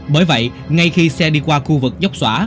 bởi vậy ngay khi xe đi qua khu vực dốc xóa